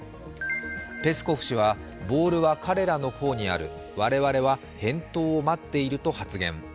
ペスコフ氏は、ボールは彼らの方にある、我々は返答を待っていると発言。